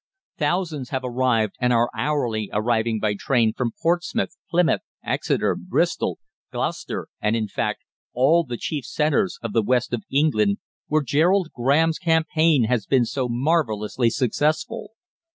Thousands have arrived, and are hourly arriving by train, from Portsmouth, Plymouth, Exeter, Bristol, Gloucester, and, in fact, all the chief centres of the West of England, where Gerald Graham's campaign has been so marvellously successful.